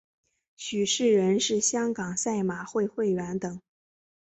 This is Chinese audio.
许仕仁是香港赛马会会员等。